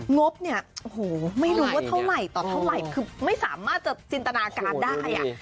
งบเนี่ยโอ้โหไม่รู้ว่าเท่าไหร่คือไม่สามารถจะจินตนาการได้